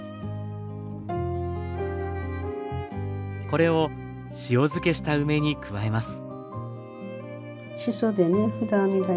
これを塩漬けした梅に加えます。